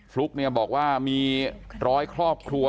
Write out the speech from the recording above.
ฟลุ๊กเนี่ยบอกว่ามีร้อยครอบครัว